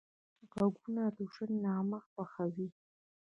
غوږونه د ژوند نغمه خوښوي